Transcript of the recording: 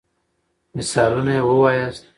مثالونه يي ووایاست.